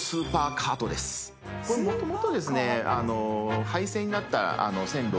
これもともとですね。